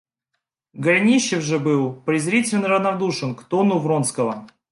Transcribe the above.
Голенищев же был презрительно равнодушен к тону Вронского.